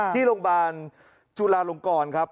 ที่โรงพยาบาลจุลาลงกรครับ